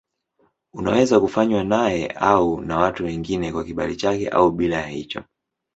Unaweza kufanywa naye au na watu wengine kwa kibali chake au bila ya hicho.